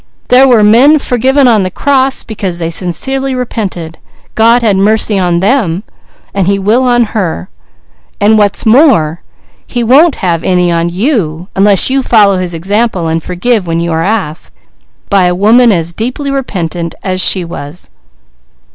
There were men forgiven on the cross; because they sincerely repented, God had mercy on them, so He will on her, and what's more, He won't have any on you, unless you follow His example and forgive when you are asked, by a woman who is as deeply repentant as she was."